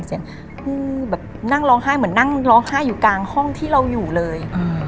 เสียงผู้แบบนั่งร้องไห้เหมือนนั่งร้องไห้อยู่กลางห้องที่เราอยู่เลย